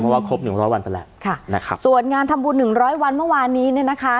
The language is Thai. เพราะว่าครบหนึ่งร้อยวันไปแล้วค่ะนะครับส่วนงานทำบุญหนึ่งร้อยวันเมื่อวานนี้เนี่ยนะคะ